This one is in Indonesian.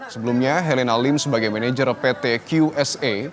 sebelumnya helena lim sebagai manajer pt qsa